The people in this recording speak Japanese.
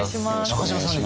中島さんね